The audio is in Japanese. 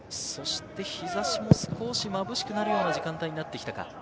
日差しも少しまぶしくなるような時間帯になってきたか。